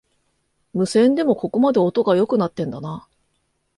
無線でもここまで音が良くなってんだな